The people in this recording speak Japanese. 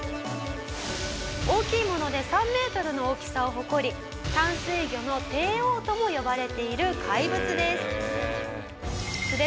大きいもので３メートルの大きさを誇り淡水魚の帝王とも呼ばれている怪物です。